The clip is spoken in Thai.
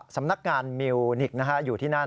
สำนักงานมิวนิกอยู่ที่นั่น